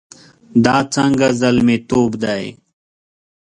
دا څنګه زلميتوب دی؟